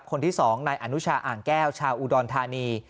คนที่๒นายอนุชาอ่างแก้วชาวอุดรธานี